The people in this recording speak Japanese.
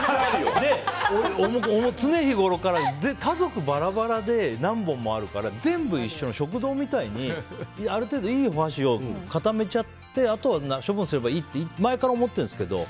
常日頃から家族バラバラで何本もあるから、全部一緒の食堂みたいにある程度いいお箸を固めちゃってあとは処分すればいいって前から思ってるんですけど。